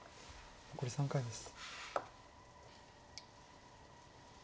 残り３回です。